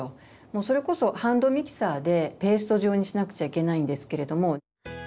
もうそれこそハンドミキサーでペースト状にしなくちゃいけないんですけれども。